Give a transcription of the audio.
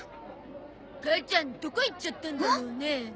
母ちゃんどこ行っちゃったんだろうね？